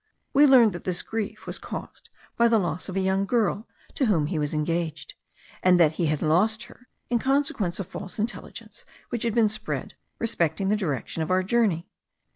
We learned that his grief was caused by the loss of a young girl to whom he was engaged, and that he had lost her in consequence of false intelligence which had been spread respecting the direction of our journey.